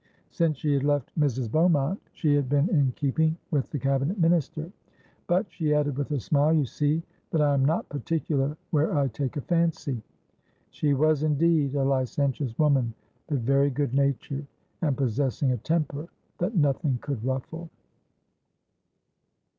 Since she had left Mrs. Beaumont she had been in keeping with the Cabinet Minister;—'but,' she added with a smile, 'you see that I am not particular where I take a fancy.' She was indeed a licentious woman, but very good natured, and possessing a temper that nothing could ruffle.